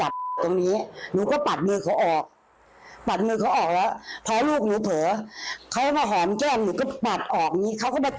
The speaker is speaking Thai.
หนูก็เลยเดินลุกขึ้นหนี